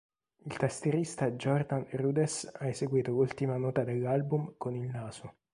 Il tastierista Jordan Rudess ha eseguito l'ultima nota dell'album con il naso.